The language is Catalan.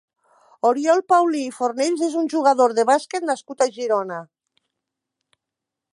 Oriol Paulí i Fornells és un jugador de bàsquet nascut a Girona.